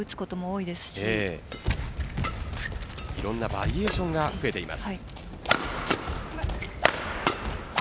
いろんなバリエーションが増えています。